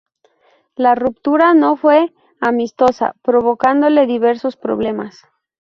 La ruptura no fue amistosa, provocándole diversos problemas.